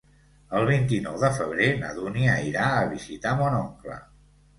El vint-i-nou de febrer na Dúnia irà a visitar mon oncle.